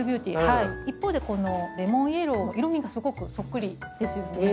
一方でこのレモンイエロー色みすごくそっくりですよね。